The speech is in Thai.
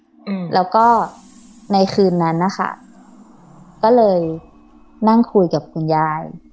อืมแล้วก็ในคืนนั้นนะคะก็เลยนั่งคุยกับคุณยาย